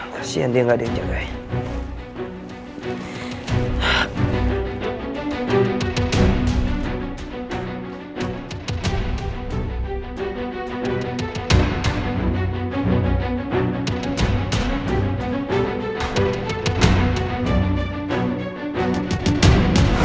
kasian dia gak ada yang jagain